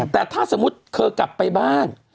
แต่ถ้าสมมุติเธอกลับไปบ้าน